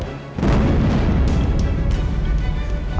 orang dari tarung